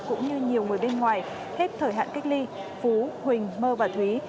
cũng như nhiều người bên ngoài hết thời hạn cách ly phú huỳnh mơ và thúy